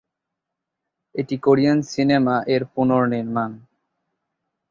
এটি Korean cinema এর পুনঃনির্মাণ।